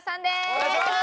お願いします！